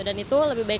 dan itu lebih baik